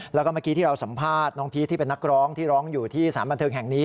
แล้วก็เมื่อกี้ที่เราสัมภาษณ์น้องพีชที่เป็นนักร้องที่ร้องอยู่ที่สถานบันเทิงแห่งนี้